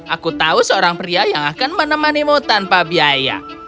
aku tahu seorang pria yang akan menemanimu tanpa biaya